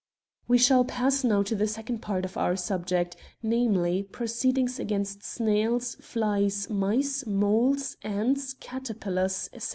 We shall pass now to the second part of our subject — namely, proceedings against snails, flies, mice, moles, ants, caterpillars, etc.